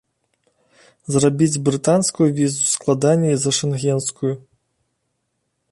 Зрабіць брытанскую візу складаней за шэнгенскую.